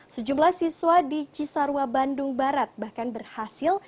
sejumlah siswa di cisarua bandung barat bahkan berhasil